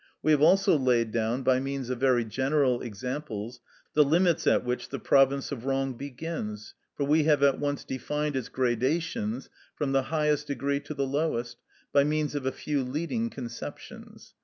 We have also laid down, by means of very general examples, the limits at which the province of wrong begins; for we have at once defined its gradations, from the highest degree to the lowest, by means of a few leading conceptions.